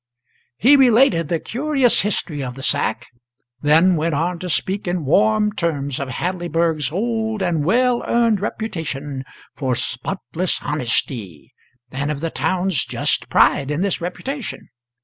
He related the curious history of the sack, then went on to speak in warm terms of Hadleyburg's old and well earned reputation for spotless honesty, and of the town's just pride in this reputation.